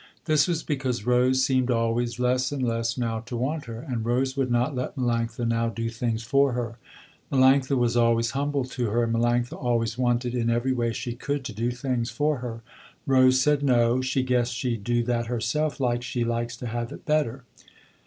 This was because Rose seemed always less and less now to want her, and Rose would not let Melanctha now do things for her. Melanctha was always humble to her and Melanctha always wanted in every way she could to do things for her. Rose said no, she guessed she do that herself like she likes to have it better.